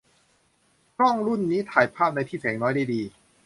กล้องรุ่นนี้ถ่ายภาพในที่แสงน้อยได้ดี